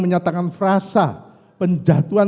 menyatakan frasa penjatuhan